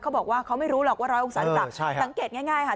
เขาบอกว่าเขาไม่รู้หรอกว่าร้อยองศาหรือเปล่าสังเกตง่ายค่ะ